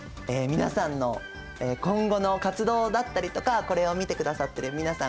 皆さんの今後の活動だったりとかこれを見てくださっている皆さん